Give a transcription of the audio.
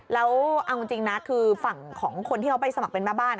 แล้วเอาจริงนะคือฝั่งของคนที่เขาไปสมัครเป็นแม่บ้าน